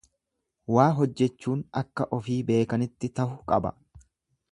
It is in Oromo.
Waa hojjechuun akka ofii beekanitti tahu qaba.